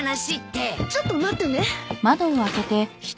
ちょっと待ってね。